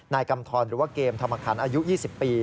กำทรหรือว่าเกมธรรมคันอายุ๒๐ปี